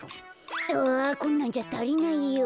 あこんなんじゃたりないよ。